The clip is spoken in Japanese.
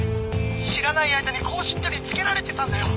知らない間に興信所につけられてたんだよ。